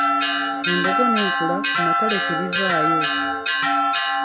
Embogo n’enkula ku matale tebivaayo.